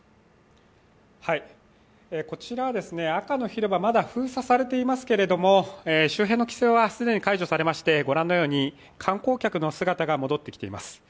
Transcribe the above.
こちらは、赤の広場まだ封鎖されていますけれども周辺の規制は既に解除されましてご覧のように観光客の姿が戻ってきています。